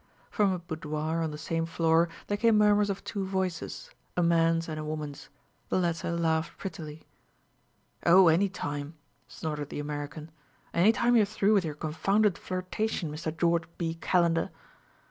From a boudoir on the same floor there came murmurs of two voices, a man's and a woman's. The latter laughed prettily. "Oh, any time!" snorted the American. "Any time you're through with your confounded flirtation, Mr. George B. Calendar!"